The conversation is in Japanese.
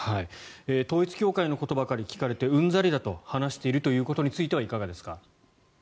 統一教会のことばかり聞かれてうんざりだと話しているということについてはいかがですか？